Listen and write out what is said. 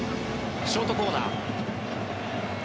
ショートコーナー。